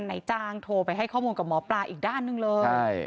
นายจ้างโทรไปให้ข้อมูลกับหมอปลาอีกด้านหนึ่งเลยใช่